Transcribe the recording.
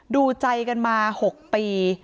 ดูใจกันมา๖ปี